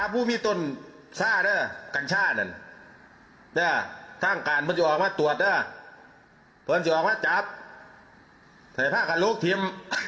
เพื่อนมนุญาตข้าใจไหม